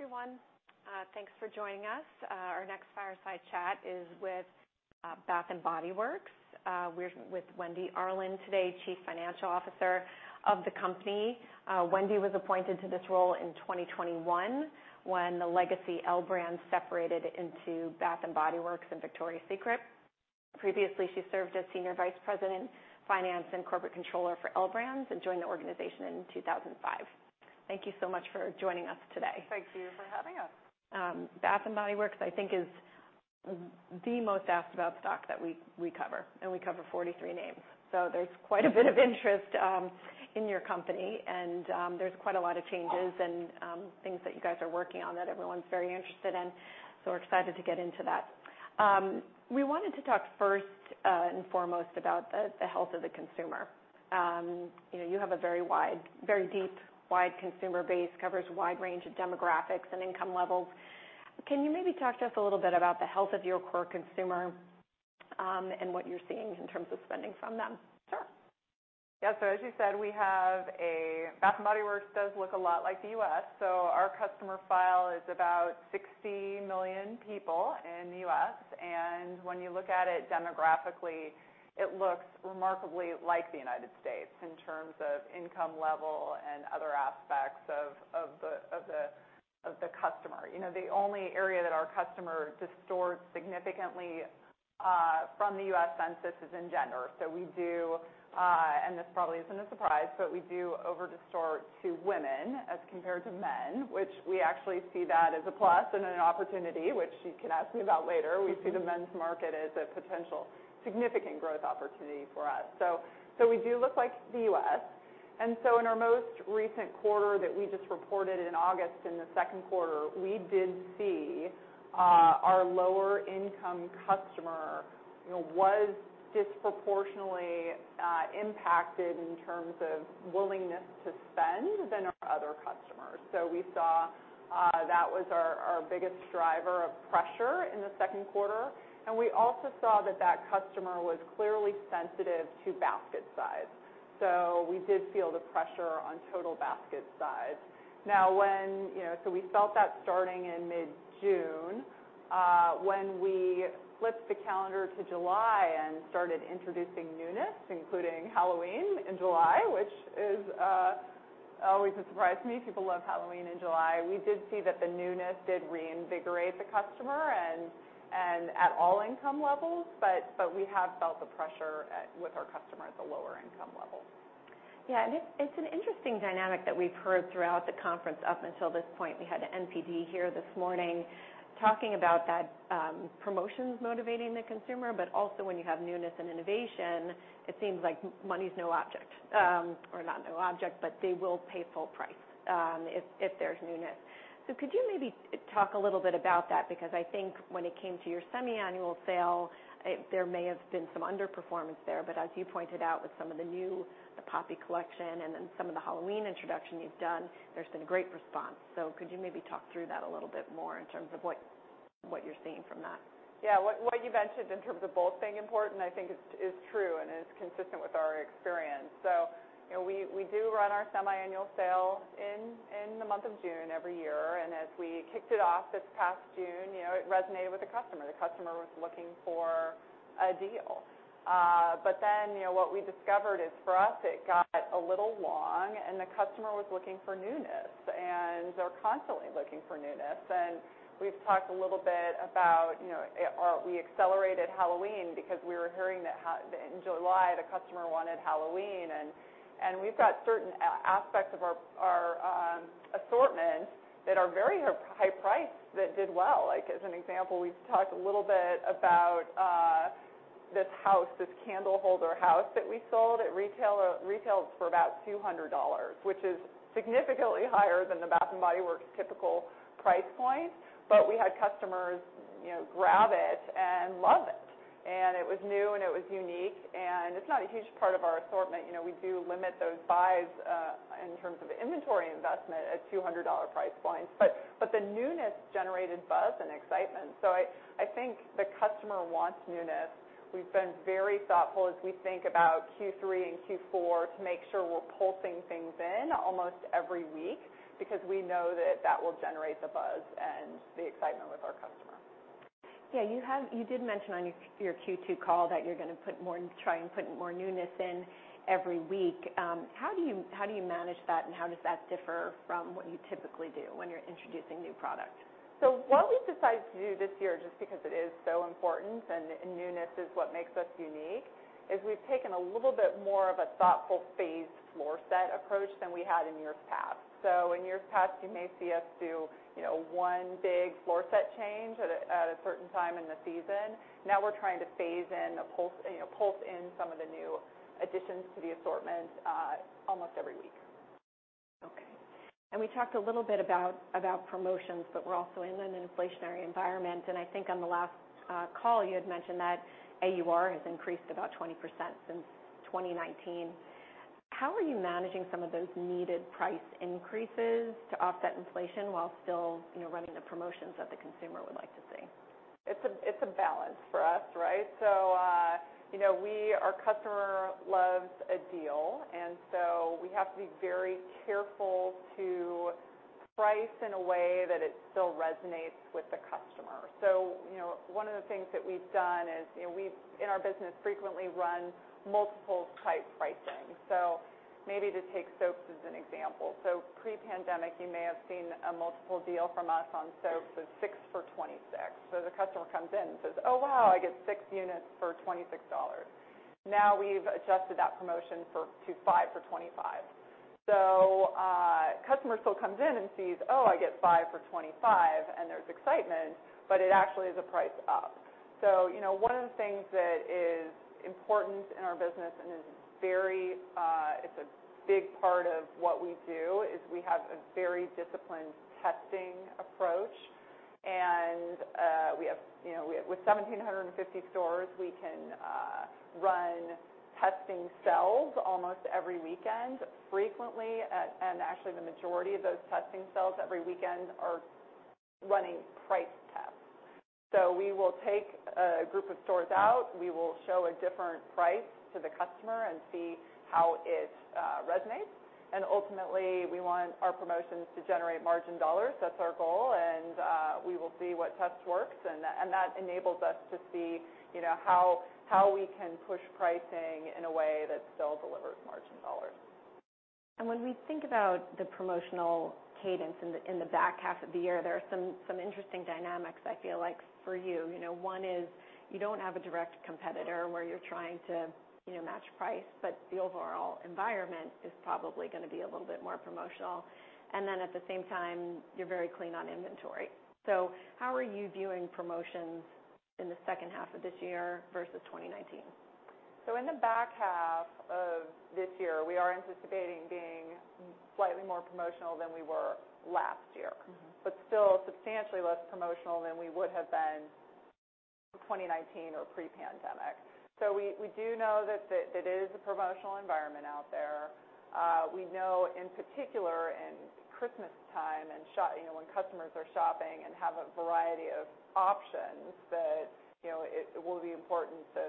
Hi, everyone. Thanks for joining us. Our next fireside chat is with Bath & Body Works. We're with Wendy Arlin today Chief Financial Officer of the company. Wendy was appointed to this role in 2021 when the legacy L Brands separated into Bath & Body Works and Victoria's Secret. Previously, she served as Senior Vice President Finance and Corporate Controller for L Brands, and joined the organization in 2005. Thank you so much for joining us today. Thank you for having us. Bath & Body Works, I think is the most asked about stock that we cover, and we cover 43 names. There's quite a bit of interest in your company, and there's quite a lot of changes and things that you guys are working on that everyone's very interested in so we're excited to get into that. We wanted to talk first and foremost about the health of the consumer. You have a very wide very deep wide consumer base, covers a wide range of demographics and income levels. Can you maybe talk to us a little bit about the health of your core consumer and what you're seeing in terms of spending from them? Sure. Yeah. As you said Bath & Body Works does look a lot like the U.S., so our customer file is about 60 million people in the U.S., and when you look at it demographically it looks remarkably like the United States in terms of income level and other aspects of the customer. The only area that our customer distorts significantly from the U.S. Census is in gender. We do, and this probably isn't a surprise, but we do over-distort to women as compared to men, which we actually see that as a plus and an opportunity, which you can ask me about later. We see the men's market as a potential significant growth opportunity for us. We do look like the U.S. In our most recent quarter that we just reported in August in the Q2, we did see our lower income customer was disproportionately impacted in terms of willingness to spend than our other customers. We saw that was our biggest driver of pressure in the Q2. We also saw that that customer was clearly sensitive to basket size, so we did feel the pressure on total basket size. We felt that starting in mid-June. When we flipped the calendar to July and started introducing newness, including Halloween in July which is always a surprise to me, people love Halloween in July. We did see that the newness did reinvigorate the customer and at all income levels, but we have felt the pressure with our customer at the lower income level. Yeah. It's an interesting dynamic that we've heard throughout the conference up until this point. We had NPD here this morning talking about that promotions motivating the consumer, but also when you have newness and innovation it seems like money's no object. Or not no object, but they will pay full price, if there's newness. Could you maybe talk a little bit about that? Because I think when it came to your Semi-Annual Sale, there may have been some underperformance there but as you pointed out with some of the new, the Poppy collection and then some of the Halloween introduction you've done, there's been a great response. Could you maybe talk through that a little bit more in terms of what you're seeing from that? Yeah. What you mentioned in terms of both being important I think is true and is consistent with our experience. We do run our Semi-Annual Sale in the month of June every year, and as we kicked it off this past june it resonated with the customer. The customer was looking for a deal. What we discovered is, for us, it got a little long, and the customer was looking for newness and are constantly looking for newness. We've talked a little bit about we accelerated Halloween because we were hearing that in July the customer wanted Halloween. We've got certain aspects of our assortment that are very high priced that did well. Like, as an example, we've talked a little bit about this house this candleholder house that we sold. It retails for about $200, which is significantly higher than the Bath & Body Works typical price point, but we had customers grab it and love it. It was new and it was unique. It's not a huge part of our assortment. We do limit those buys in terms of inventory investment at $200 price points. But the newness generated buzz and excitement. I think the customer wants newness. We've been very thoughtful as we think about Q3 and Q4 to make sure we're pulsing things in almost every week because we know that that will generate the buzz and the excitement with our customer. Yeah. You did mention on your Q2 call that you're gonna try and put more newness in every week. How do you manage that, and how does that differ from what you typically do when you're introducing new product? What we've decided to do this year, just because it is so important, and newness is what makes us unique, is we've taken a little bit more of a thoughtful phased floor set approach than we had in years past. In years past, you may see us do one big floor set change at a certain time in the season. Now we're trying to phase in a pulse pulse in some of the new additions to the assortment almost every week. Okay. We talked a little bit about promotions but we're also in an inflationary environment, and I think on the last call, you had mentioned that AUR has increased about 20% since 2019. How are you managing some of those needed price increases to offset inflation while still running the promotions that the consumer would like to see? It's a balance for us, right? we, our customer loves a deal, and so we have to be very careful to price in a way that it still resonates with the customer. One of the things that we've done is we've, in our business, frequently run multiple type pricing. Maybe to take soaps as an example. Pre-pandemic, you may have seen a multiple deal from us on soaps was 6 for $26. The customer comes in and says, "Oh, wow, I get 6 units for $26." Now we've adjusted that promotion to 5 for $25. A customer still comes in and sees, "Oh, I get 5 for $25," and there's excitement but it actually is a price up. One of the things that is important in our business and is very. It's a big part of what we do. We have a very disciplined testing approach. We have with 1,750 stores, we can run testing cells almost every weekend frequently. Actually, the majority of those testing cells every weekend are running price tests. We will take a group of stores out. We will show a different price to the customer and see how it resonates. Ultimately we want our promotions to generate margin dollars. That's our goal. We will see what test works, and that enables us to see how we can push pricing in a way that still delivers margin dollars. When we think about the promotional cadence in the back half of the year, there are some interesting dynamics I feel like for you. One is you don't have a direct competitor where you're trying to match price, but the overall environment is probably gonna be a little bit more promotional. Then at the same time, you're very clean on inventory. How are you viewing promotions in the H2 of this year versus 2019? In the back half of this year, we are anticipating being slightly more promotional than we were last year. Mm-hmm. Still substantially less promotional than we would have been in 2019 or pre-pandemic. We do know that it is a promotional environment out there. We know in particular in Christmas time and, when customers are shopping and have a variety of options, that, it will be important to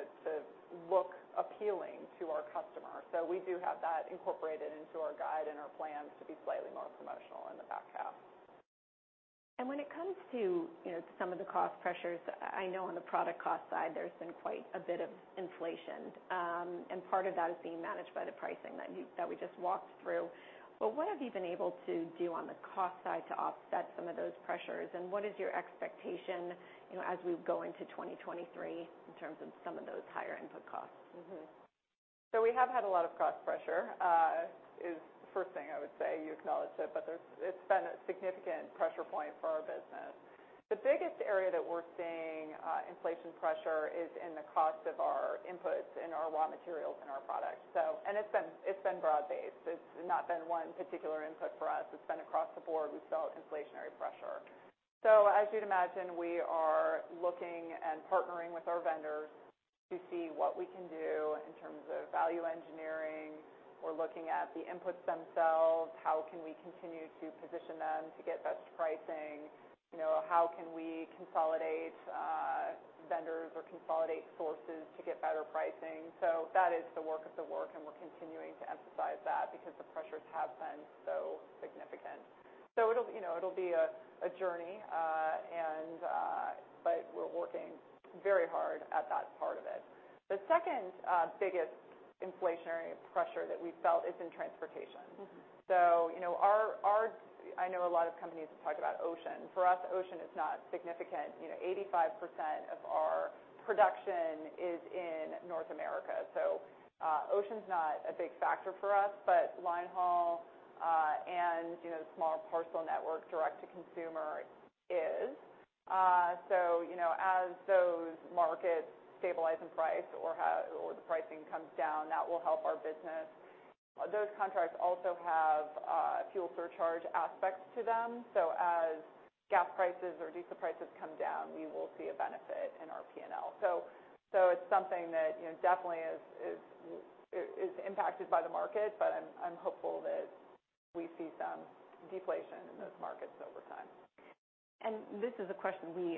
look appealing to our customers. We do have that incorporated into our guide and our plans to be slightly more promotional in the back half. When it comes to some of the cost pressures, I know on the product cost side, there's been quite a bit of inflation, and part of that is being managed by the pricing that we just walked through. What have you been able to do on the cost side to offset some of those pressures? What is your expectation as we go into 2023 in terms of some of those higher input costs? We have had a lot of cost pressure, is the first thing I would say. You acknowledged it, but it's been a significant pressure point for our business. The biggest area that we're seeing, inflation pressure is in the cost of our inputs and our raw materials in our products. It's been broad-based. It's not been one particular input for us. It's been across the board. We saw inflationary pressure. As you'd imagine, we are looking and partnering with our vendors to see what we can do in terms of value engineering. We're looking at the inputs themselves, how can we continue to position them to get best pricing?, how can we consolidate, vendors or consolidate sources to get better pricing? That is the work of the work, and we're continuing to emphasize that because the pressures have been so significant. it'll be a journey, but we're working very hard at that part of it. The second biggest inflationary pressure that we felt is in transportation. Mm-hmm. I know a lot of companies have talked about ocean. For us, ocean is not significant. 85% of our production is in North America, ocean's not a big factor for us. But line haul and the small parcel network direct to consumer is. As those markets stabilize in price or the pricing comes down, that will help our business. Those contracts also have fuel surcharge aspects to them. As gas prices or diesel prices come down, we will see a benefit in our P&L. It's something that definitely is impacted by the market, but I'm hopeful that we see some deflation in those markets over time. This is a question we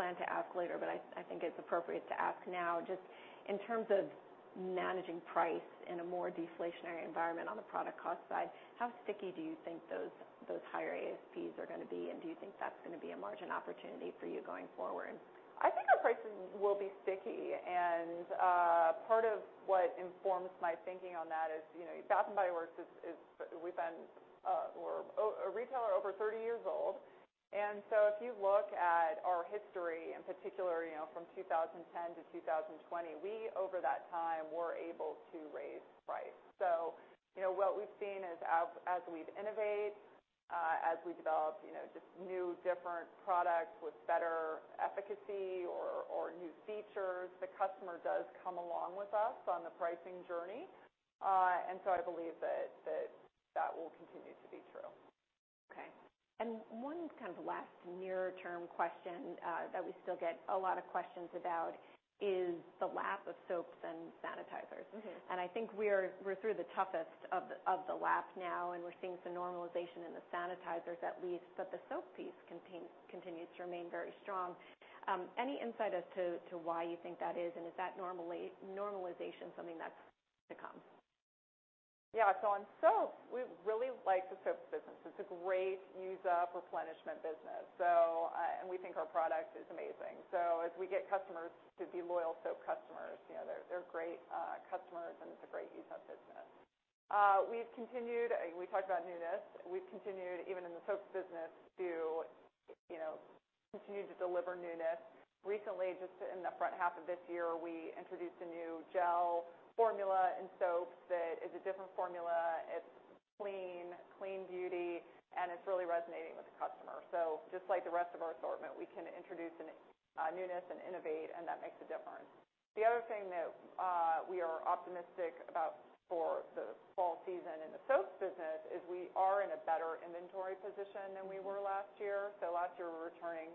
plan to ask later, but I think it's appropriate to ask now. Just in terms of managing price in a more deflationary environment on the product cost side, how sticky do you think those higher ASPs are gonna be? Do you think that's gonna be a margin opportunity for you going forward? I think our pricing will be sticky. Part of what informs my thinking on that is Bath & Body Works is a retailer over 30 years old. If you look at our history, in particular from 2010 to 2020, over that time, we were able to raise price. What we've seen is as we've innovated, as we develop just new, different products with better efficacy or new features, the customer does come along with us on the pricing journey. I believe that will continue to be true. Okay. One kind of last near-term question that we still get a lot of questions about is the lapping of soaps and sanitizers. Mm-hmm. I think we're through the toughest of the lap now, and we're seeing some normalization in the sanitizers at least, but the soap piece continues to remain very strong. Any insight as to why you think that is, and is that normalization something that's to come. Yeah. On soap, we really like the soap business. It's a great use-up replenishment business, and we think our product is amazing. As we get customers to be loyal soap customers they're great customers, and it's a great use-up business. We talked about newness. We've continued, even in the soaps business, to continue to deliver newness. Recently, just in the H1 of this year, we introduced a new gel formula in soaps that is a different formula. It's clean beauty, and it's really resonating with the customer. Just like the rest of our assortment, we can introduce new newness and innovate, and that makes a difference. The other thing that we are optimistic about for the fall season in the soaps business is we are in a better inventory position than we were last year. Last year, we were returning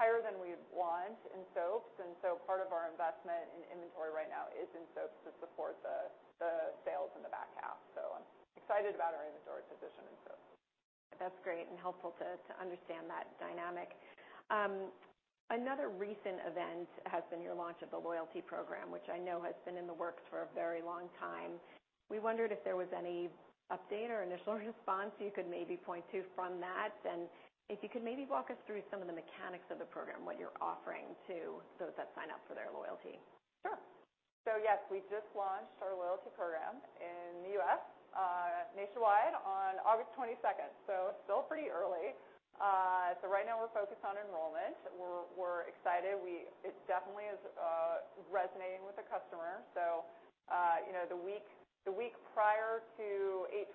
higher than we want in soaps, and so part of our investment in inventory right now is in soaps to support the sales in the back half. I'm excited about our inventory position in soaps. That's great and helpful to understand that dynamic. Another recent event has been your launch of the loyalty program, which I know has been in the works for a very long time. We wondered if there was any update or initial response you could maybe point to from that. If you could maybe walk us through some of the mechanics of the program, what you're offering to those that sign up for their loyalty. Sure. Yes, we just launched our loyalty program in the U.S. Nationwide on August 22nd. Still pretty early. Right now we're focused on enrollment. We're excited. It definitely is resonating with the customer. The week prior to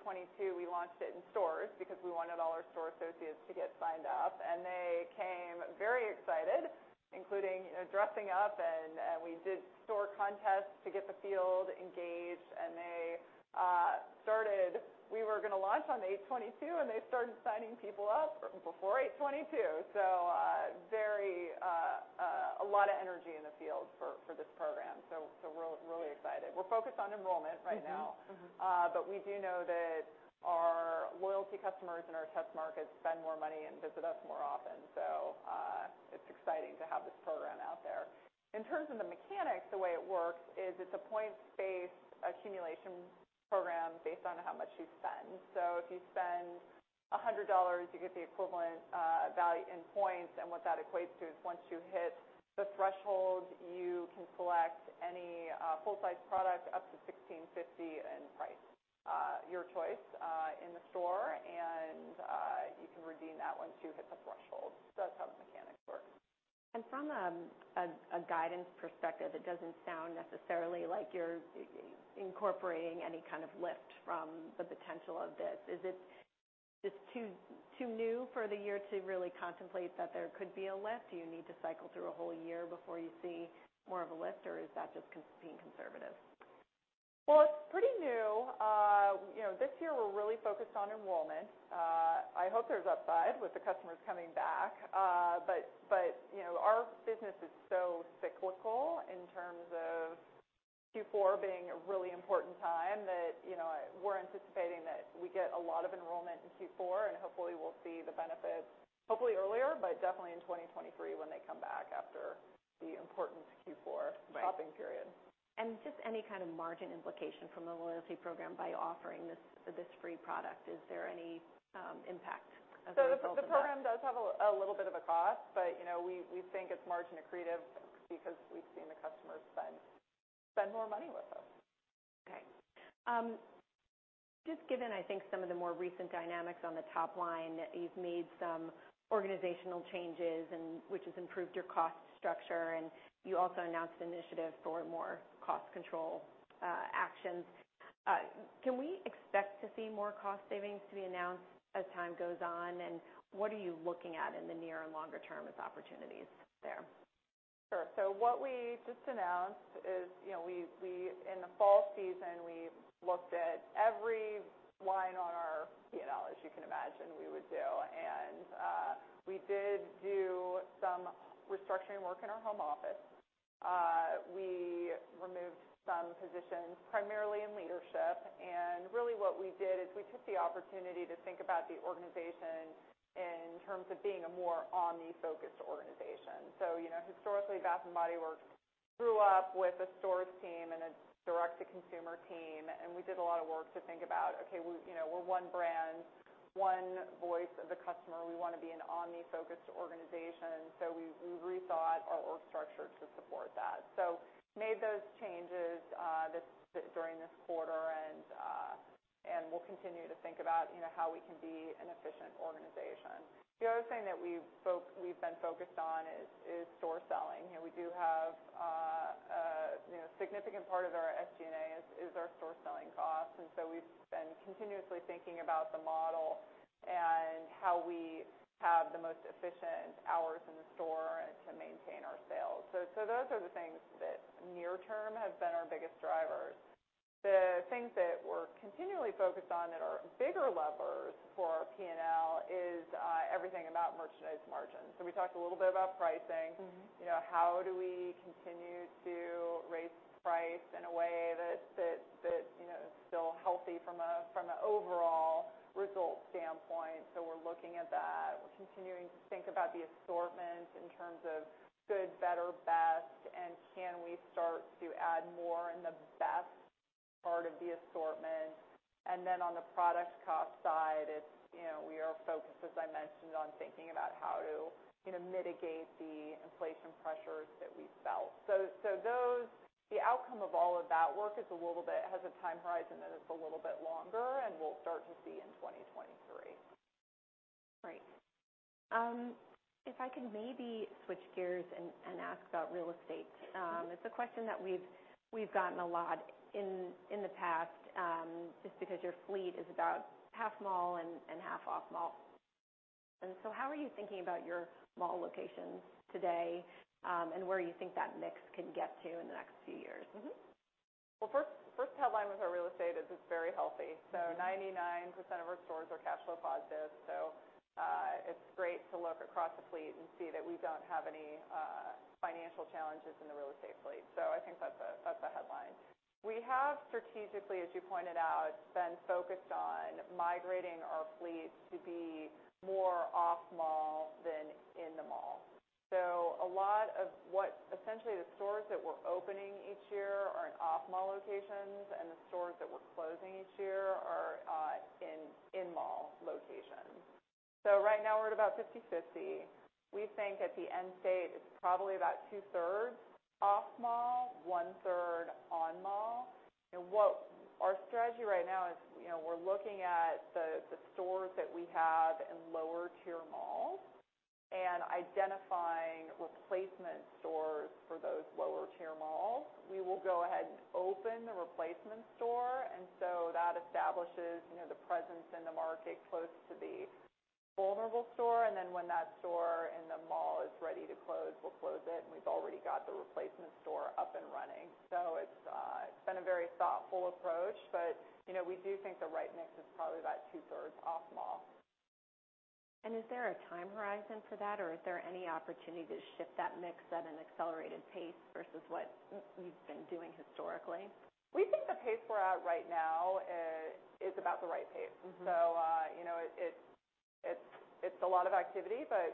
8/22, we launched it in stores because we wanted all our store associates to get signed up. They came very excited, including dressing up, and we did store contests to get the field engaged. We were gonna launch on the 8/22, and they started signing people up before 8/22. Very a lot of energy in the field for this program, so we're really excited. We're focused on enrollment right now. Mm-hmm. We do know that our loyalty customers in our test markets spend more money and visit us more often. It's exciting to have this program out there. In terms of the mechanics, the way it works is it's a points-based accumulation program based on how much you spend. If you spend $100, you get the equivalent value in points. What that equates to is once you hit the threshold, you can select any full-size product up to $16.50 in price, your choice, in the store. You can redeem that once you hit the threshold. That's how the mechanics work. From a guidance perspective, it doesn't sound necessarily like you're incorporating any kind of lift from the potential of this. Is it just too new for the year to really contemplate that there could be a lift? Do you need to cycle through a whole year before you see more of a lift, or is that just being conservative? Well, it's pretty new. This year we're really focused on enrollment. I hope there's upside with the customers coming back. But, our business is so cyclical in terms of Q4 being a really important time that we're anticipating that we get a lot of enrollment in Q4, and hopefully we'll see the benefits, hopefully earlier, but definitely in 2023 when they come back after the important Q4. Right... shopping period. Just any kind of margin implication from the loyalty program by offering this free product. Is there any impact as a result of that? The program does have a little bit of a cost, but, we think it's margin accretive because we've seen the customers spend more money with us. Okay. Just given, I think, some of the more recent dynamics on the top line, you've made some organizational changes and which has improved your cost structure, and you also announced initiatives for more cost control, actions. Can we expect to see more cost savings to be announced as time goes on? What are you looking at in the near and longer term as opportunities there? Sure. What we just announced is in the fall season, we looked at every line on our P&L, as you can imagine we would do. We did do some restructuring work in our home office. We removed some positions, primarily in leadership. Really what we did is we took the opportunity to think about the organization in terms of being a more omni-focused organization. Historically, Bath & Body Works grew up with a stores team and a direct-to-consumer team, and we did a lot of work to think about, okay, we we're one brand, one voice of the customer. We wanna be an omni-focused organization, so we rethought our org structure to support that. Made those changes during this quarter, and we'll continue to think about how we can be an efficient organization. The other thing that we've been focused on is store selling. We do have a significant part of our SG&A is our store selling costs. We've been continuously thinking about the model and how we have the most efficient hours in the store and to maintain our sales. Those are the things that near term have been our biggest drivers. The things that we're continually focused on that are bigger levers for our P&L is everything about merchandise margins. We talked a little bit about pricing. Mm-hmm. How do we continue to raise price in a way that fits that. Still healthy from a overall result standpoint. We're looking at that. We're continuing to think about the assortment in terms of good, better, best, and can we start to add more in the best part of the assortment. Then on the product cost side, it's we are focused, as I mentioned, on thinking about how to mitigate the inflation pressures that we've felt. So those. The outcome of all of that work has a time horizon that is a little bit longer and we'll start to see in 2023. Great. If I can maybe switch gears and ask about real estate. It's a question that we've gotten a lot in the past, just because your fleet is about half mall and half off-mall. How are you thinking about your mall locations today, and where you think that mix can get to in the next few years? Well, first headline with our real estate is it's very healthy. Mm-hmm. 99% of our stores are cash flow positive. It's great to look across the fleet and see that we don't have any financial challenges in the real estate fleet. I think that's a headline. We have strategically, as you pointed out, been focused on migrating our fleet to be more off-mall than in the mall. Essentially, the stores that we're opening each year are in off-mall locations, and the stores that we're closing each year are in-mall locations. Right now, we're at about 50/50. We think at the end state, it's probably about two-thirds off-mall, one-third on-mall. What our strategy right now is we're looking at the stores that we have in lower tier malls and identifying replacement stores for those lower tier malls. We will go ahead and open the replacement store. That establishes the presence in the market close to the vulnerable store. When that store in the mall is ready to close, we'll close it, and we've already got the replacement store up and running. It's been a very thoughtful approach. We do think the right mix is probably about two-thirds off-mall. Is there a time horizon for that, or is there any opportunity to shift that mix at an accelerated pace versus what you've been doing historically? We think the pace we're at right now is about the right pace. Mm-hmm., it's a lot of activity, but,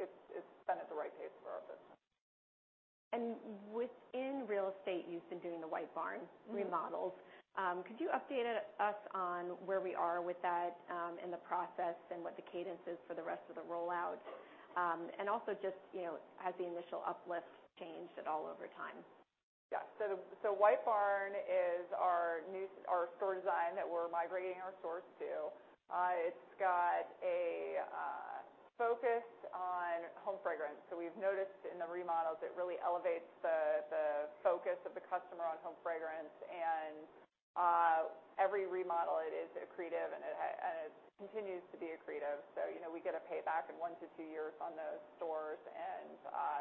it's been at the right pace for our business. Within real estate, you've been doing the White Barn remodels. Mm-hmm. Could you update us on where we are with that, in the process and what the cadence is for the rest of the rollout? Also just has the initial uplifts changed at all over time? Yeah. White Barn is our new store design that we're migrating our stores to. It's got a focus on home fragrance. We've noticed in the remodels, it really elevates the focus of the customer on home fragrance. Every remodel, it is accretive, and it continues to be accretive. We get a payback in one-two years on those stores, and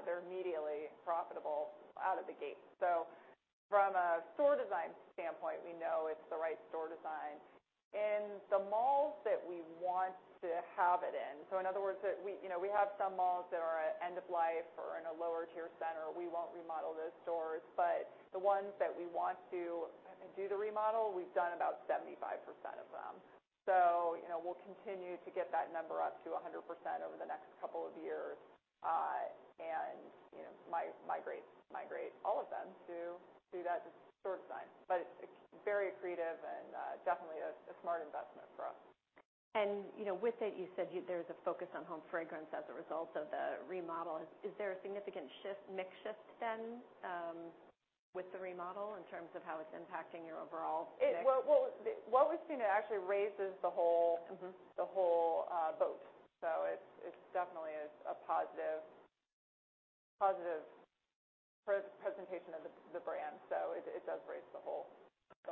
they're immediately profitable out of the gate. From a store design standpoint, we know it's the right store design. In the malls that we want to have it in. In other words, we have some malls that are at end of life or in a lower tier center. We won't remodel those stores. The ones that we want to do the remodel, we've done about 75% of them. We'll continue to get that number up to 100% over the next couple of years, and migrate all of them to that store design. It's very accretive and, definitely a smart investment for us., with it, there's a focus on home fragrance as a result of the remodel. Is there a significant shift, mix shift then, with the remodel in terms of how it's impacting your overall mix? Well, what we've seen, it actually raises the whole. Mm-hmm the whole boat. It's definitely a positive representation of the brand. It does raise the whole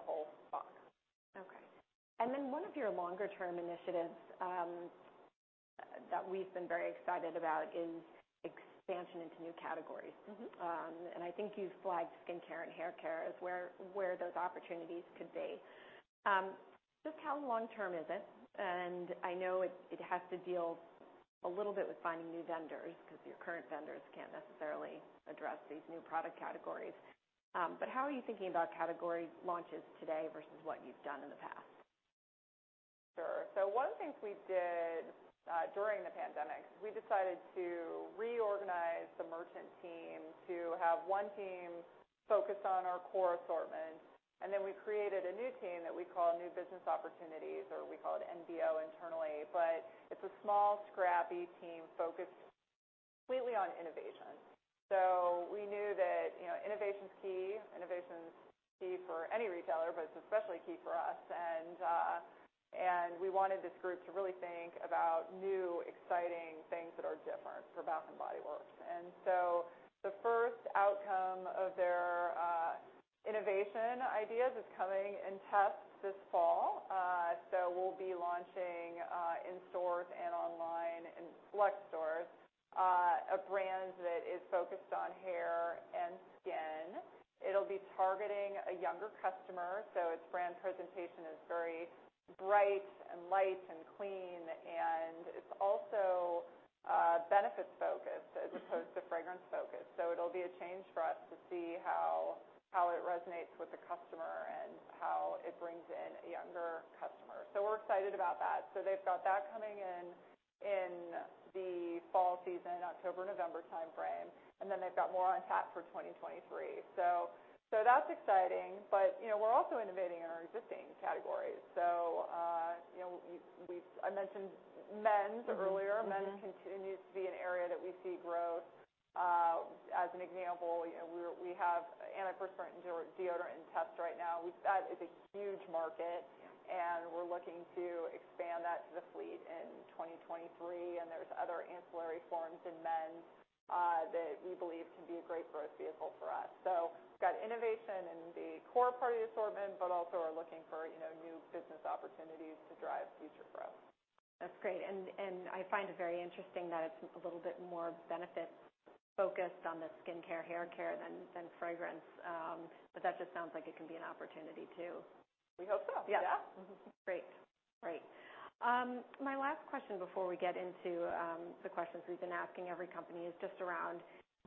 bar. Okay. One of your longer term initiatives that we've been very excited about is expansion into new categories. Mm-hmm. I think you've flagged skincare and haircare as where those opportunities could be. Just how long-term is it? I know it has to deal a little bit with finding new vendors 'cause your current vendors can't necessarily address these new product categories. How are you thinking about category launches today versus what you've done in the past? Sure. One of the things we did during the pandemic is we decided to reorganize the merchant team to have one team focused on our core assortment. Then we created a new team that we call New Business Opportunities, or we call it NBO internally. It's a small, scrappy team focused completely on innovation. We knew that innovation's key for any retailer, but it's especially key for us. We wanted this group to really think about new, exciting things that are different for Bath & Body Works. The first outcome of their innovation ideas is coming in tests this fall. We'll be launching in stores and online and select stores a brand that is focused on hair and skin. It'll be targeting a younger customer, so its brand presentation is very bright and light and clean, and it's also, benefits-focused as opposed to fragrance-focused. It'll be a change for us to see how it resonates with the customer and how it brings in a younger customer. We're excited about that. They've got that coming in in the fall season, October-November timeframe. They've got more on tap for 2023. That's exciting, but we're also innovating in our existing categories. I mentioned men's earlier. Mm-hmm. Men's continues to be an area that we see growth. As an example we have antiperspirant and deodorant in test right now. That is a huge market, and we're looking to expand that to the fleet in 2023. There's other ancillary forms in men's that we believe can be a great growth vehicle for us. We've got innovation in the core part of the assortment, but also are looking for new business opportunities to drive future growth. That's great, and I find it very interesting that it's a little bit more benefit-focused on the skincare, haircare than fragrance. That just sounds like it can be an opportunity, too. We hope so. Yeah. Yeah. Great. My last question before we get into the questions we've been asking every company is just around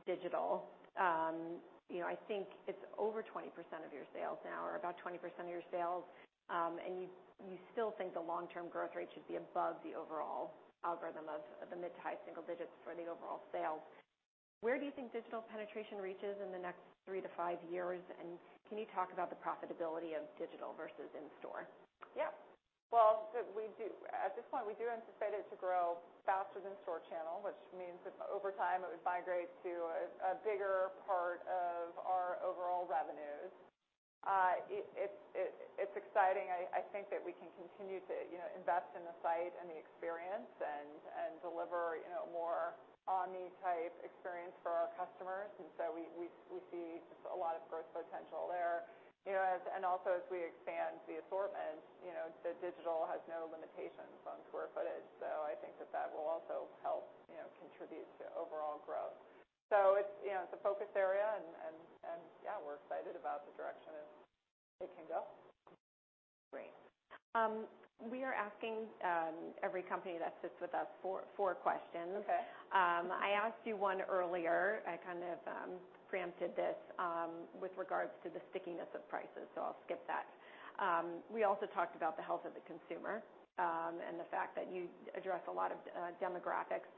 digital. I think it's over 20% of your sales now, or about 20% of your sales. You still think the long-term growth rate should be above the overall algorithm of the mid-to-high single digits for the overall sales. Where do you think digital penetration reaches in the next three-five years? And can you talk about the profitability of digital versus in-store? Yeah. Well, at this point, we do anticipate it to grow faster than store channel, which means that over time it would migrate to a bigger part of our overall revenues. It's exciting. I think that we can continue to invest in the site and the experience and deliver a more omni-type experience for our customers. We see just a lot of growth potential there. And also as we expand the assortment the digital has no limitations on square footage, so I think that will also help contribute to overall growth. It's a focus area, and yeah, we're excited about the direction it can go. Great. We are asking every company that sits with us four questions. Okay. I asked you one earlier. I kind of preempted this with regards to the stickiness of prices, so I'll skip that. We also talked about the health of the consumer and the fact that you address a lot of demographics.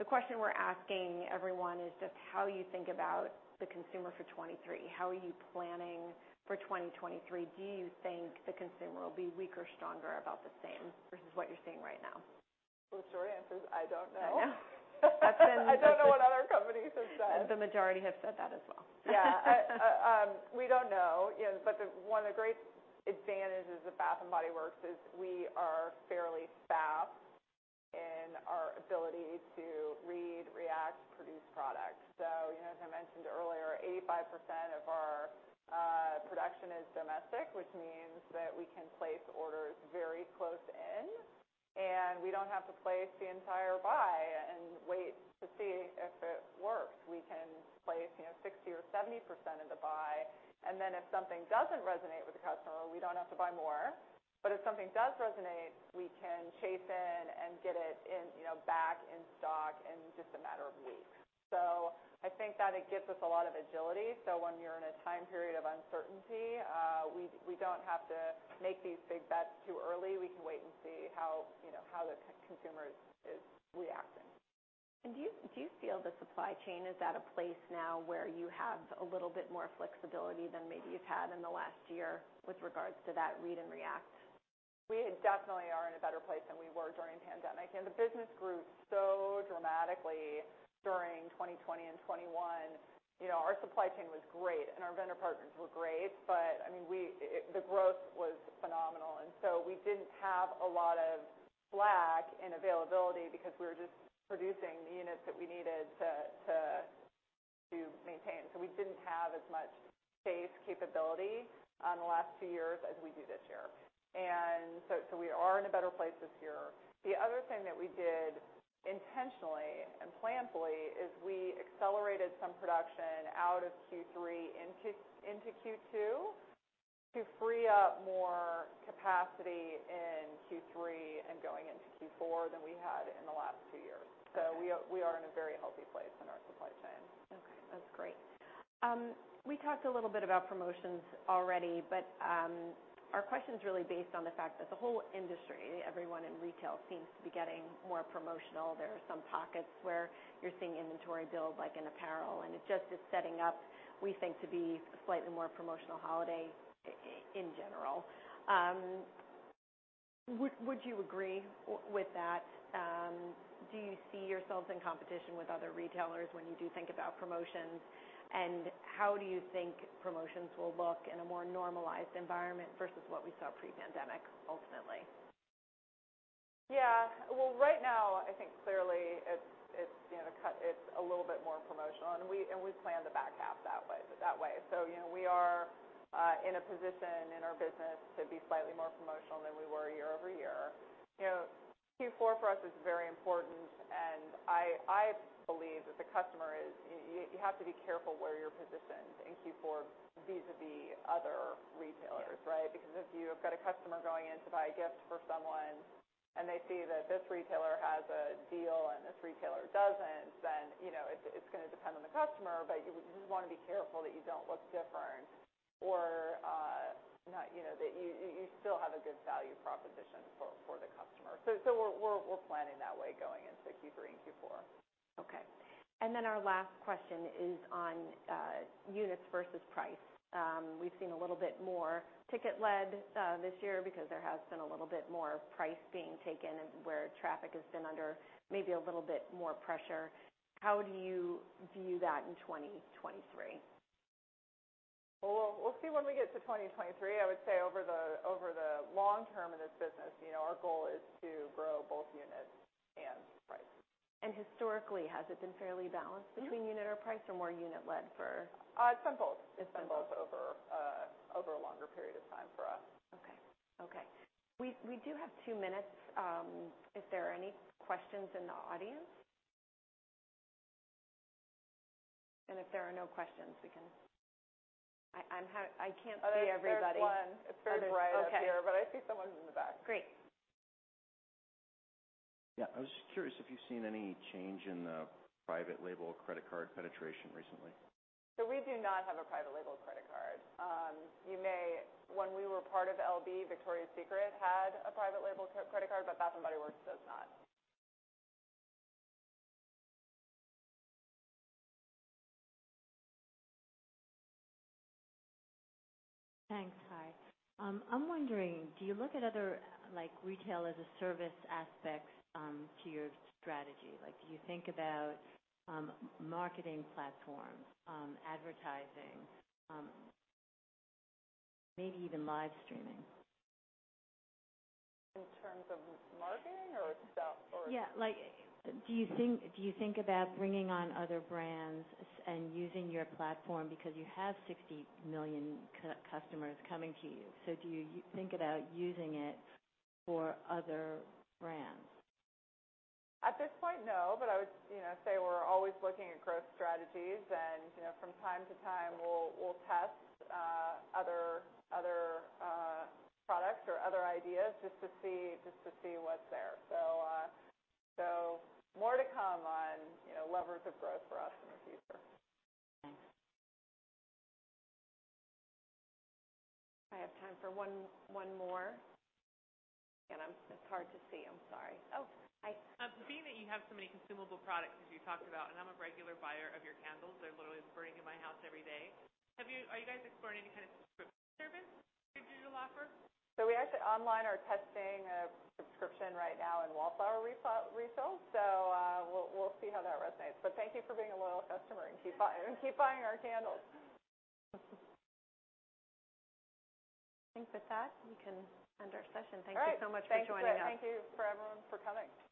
The question we're asking everyone is just how you think about the consumer for 2023. How are you planning for 2023? Do you think the consumer will be weak or stronger, about the same versus what you're seeing right now? Well, the short answer is I don't know. I know. I don't know what other companies have said. The majority have said that as well. Yeah. We don't know but one of the great advantages of Bath & Body Works is we are fairly fast in our ability to read, react, produce products. As I mentioned earlier, 85% of our production is domestic, which means that we can place orders very close in, and we don't have to place the entire buy and wait to see if it works. We can place 60 or 70% of the buy, and then if something doesn't resonate with the customer, we don't have to buy more. But if something does resonate, we can chase in and get it in back in stock in just a matter of weeks. I think that it gives us a lot of agility, so when you're in a time period of uncertainty, we don't have to make these big bets too early. We can wait and see how how the consumer is reacting. Do you feel the supply chain is at a place now where you have a little bit more flexibility than maybe you've had in the last year with regards to that read and react? We definitely are in a better place than we were during pandemic, and the business grew so dramatically during 2020 and 2021. Our supply chain was great, and our vendor partners were great, but, I mean, the growth was phenomenal. We didn't have a lot of slack in availability because we were just producing the units that we needed to maintain. We didn't have as much chase capability in the last two years as we do this year. We are in a better place this year. The other thing that we did intentionally and planfully is we accelerated some production out of Q3 into Q2 to free up more capacity in Q3 and going into Q4 than we had in the last two years. Okay. We are in a very healthy place in our supply chain. Okay. That's great. We talked a little bit about promotions already, but our question's really based on the fact that the whole industry, everyone in retail seems to be getting more promotional. There are some pockets where you're seeing inventory build, like in apparel, and it just is setting up, we think, to be a slightly more promotional holiday in general. Would you agree with that? Do you see yourselves in competition with other retailers when you do think about promotions? How do you think promotions will look in a more normalized environment versus what we saw pre-pandemic, ultimately? Yeah. Well, right now, I think clearly it's it's a little bit more promotional, and we planned the back half that way. We are in a position in our business to be slightly more promotional than we were year-over-year. Q4 for us is very important, and I believe you have to be careful where you're positioned in Q4 vis-à-vis other retailers, right? Because if you have got a customer going in to buy a gift for someone, and they see that this retailer has a deal and this retailer doesn't, then it's gonna depend on the customer, but you wanna be careful that you don't look different or not that you still have a good value proposition for the customer. We're planning that way going into Q3 and Q4. Okay. Our last question is on units versus price. We've seen a little bit more ticket lift this year because there has been a little bit more price being taken where traffic has been under maybe a little bit more pressure. How do you view that in 2023? Well, we'll see when we get to 2023. I would say over the long term in this business our goal is to grow both units and price. Historically, has it been fairly balanced between unit or price, or more unit lead for- It's been both. It's been both. It's been both over a longer period of time for us. Okay. We do have two minutes if there are any questions in the audience. If there are no questions, we can. I can't see everybody. There's one. It's very bright up here. Okay. I see someone's in the back. Great. Yeah. I was just curious if you've seen any change in the private label credit card penetration recently? We do not have a private label credit card. When we were part of LB, Victoria's Secret had a private label credit card, but Bath & Body Works does not. Thanks. Hi. I'm wondering, do you look at other like retail as a service aspects to your strategy? Like, do you think about marketing platforms, advertising, maybe even live streaming? In terms of marketing or stuff? Yeah. Like, do you think about bringing on other brands and using your platform because you have 60 million customers coming to you. Do you think about using it for other brands? At this point, no. I would say we're always looking at growth strategies and from time to time we'll test other products or other ideas just to see what's there. More to come on levers of growth for us in the future. Thanks. I have time for one more. Again, it's hard to see. I'm sorry. Oh, hi. Being that you have so many consumable products as you talked about, and I'm a regular buyer of your candles, they're literally burning in my house every day. Are you guys exploring any kind of subscription service that you'll offer? We actually are testing a subscription online right now in Wallflowers refills. We'll see how that resonates. Thank you for being a loyal customer, and keep buying our candles. I think with that, we can end our session. All right. Thank you so much for joining us. Thanks, everyone. Thank you for everyone for coming.